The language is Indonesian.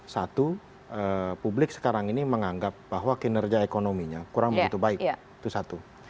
satu publik sekarang ini menganggap bahwa kinerja ekonominya kurang begitu baik itu satu